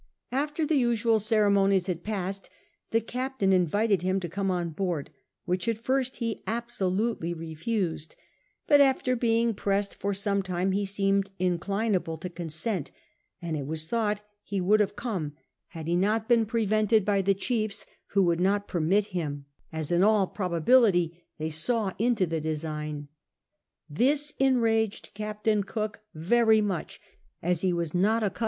After the iisiud ceremonies had piisscd, the captain invited him to come on board, which at first he absolutely refused, but after being i>ressed for some lime he seemed inclinable to consent, and it was thought he would have come had he not been prevented by the chiefs, who would not permit him, as in all probability they saw into the design. This enraged Captain Cook very much, as he wtis not accu.